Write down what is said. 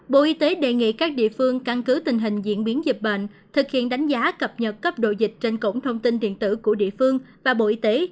bộ y tế đề nghị các địa phương căn cứ tình hình diễn biến dịch bệnh thực hiện đánh giá cập nhật cấp độ dịch trên cổng thông tin điện tử của địa phương và bộ y tế